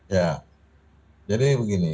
ya jadi begini